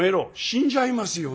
「死んじゃいますよ